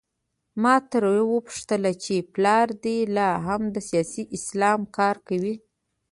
ما ترې وپوښتل چې پلار دې لا هم د سیاسي اسلام کار کوي؟